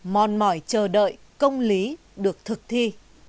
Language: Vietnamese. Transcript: mòn mỏi chờ đợi công lý được thực thi